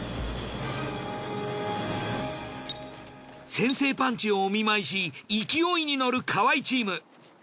先制パンチをお見舞いし勢いに乗る河合チーム。